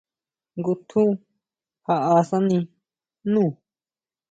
Ngutjun jaʼásani nú.